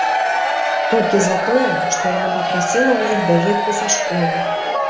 Толькі за тое, што яна папрасіла ў іх даведку са школы.